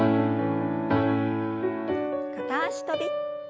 片脚跳び。